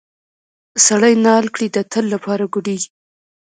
سړی نال کړې د تل لپاره ګوډیږي.